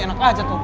enak aja tuh